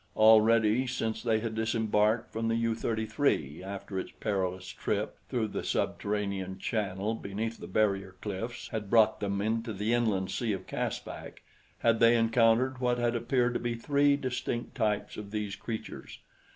Already since they had disembarked from the U 33 after its perilous trip through the subterranean channel beneath the barrier cliffs had brought them into the inland sea of Caspak, had they encountered what had appeared to be three distinct types of these creatures.